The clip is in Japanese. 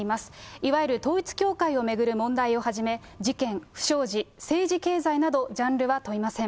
いわゆる統一教会を巡る問題をはじめ、事件、不祥事、政治・経済など、ジャンルは問いません。